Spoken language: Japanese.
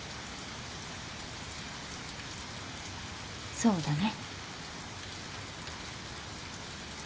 そうだね。